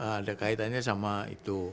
ada kaitannya sama itu